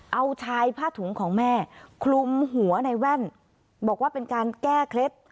เอาชายผ้าถุงของแม่คลุมหัวในแว่นบอกว่าเป็นการแก้เคล็ด